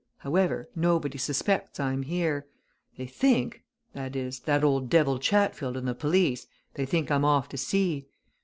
However, nobody suspects I'm here. They think that is, that old devil Chatfield and the police they think I'm off to sea.